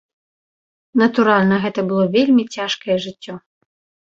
Натуральна, гэта было вельмі цяжкае жыццё.